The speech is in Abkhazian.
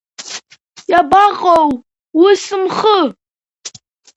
Иабаҟоу уи сымхы?!